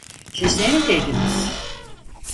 Siz neredeydiniz?